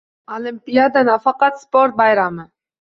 Olimpiada nafaqat sport bayrami.